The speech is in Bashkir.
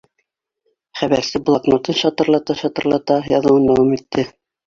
Хәбәрсе блокнотын шытырлата-шытырлата яҙыуын дауам итте